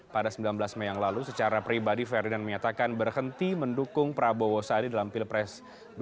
pada sembilan belas mei yang lalu secara pribadi ferdinand menyatakan berhenti mendukung prabowo sadi dalam pilpres dua ribu sembilan belas